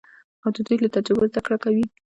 او د دوی له تجربو زده کړه کوي.